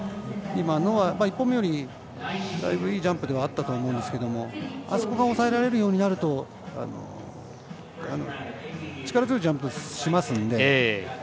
今のは、１本目よりだいぶいいジャンプではあったと思いますけどあそこが押さえられるようになると力強いジャンプしますので。